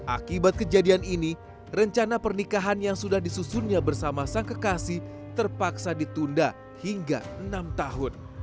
akibat kejadian ini rencana pernikahan yang sudah disusunnya bersama sang kekasih terpaksa ditunda hingga enam tahun